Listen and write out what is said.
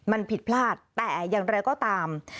มันผิดพลาดแต่อย่างไรก็ตาม